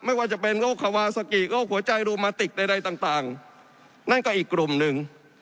ไม่ว่าจะเป็นโรคคาวาซากิโรคหัวใจโรมาติกใดต่างนั่นก็อีกกลุ่มหนึ่ง